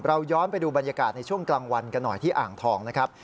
ย้อนไปดูบรรยากาศในช่วงกลางวันกันหน่อยที่อ่างทองนะครับ